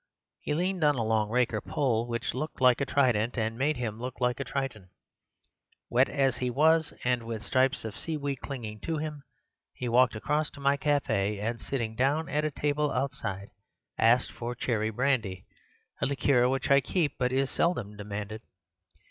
He leaned on a long rake or pole, which looked like a trident, and made him look like a Triton. Wet as he was, and with strips of seaweed clinging to him, he walked across to my cafe, and, sitting down at a table outside, asked for cherry brandy, a liqueur which I keep, but is seldom demanded.